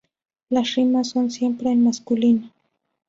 Las rimas son siempre en masculino.